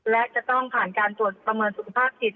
และจะต้องผ่านการตรวจประเมินสุขภาพจิต